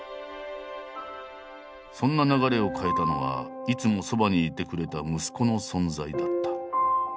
そんな流れを変えたのはいつもそばにいてくれた息子の存在だった。